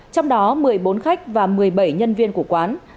trong đó một mươi bốn khách và một mươi bảy nhân viên của quán